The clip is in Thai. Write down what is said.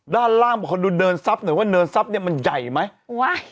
ด้านล่างบอกขอดูเนินซับหน่อยว่าเนินซับเนี่ยมันใหญ่ไหมว่า